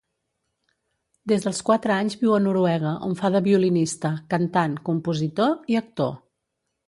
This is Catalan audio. Des dels quatre anys viu a Noruega on fa de violinista, cantant, compositor i actor.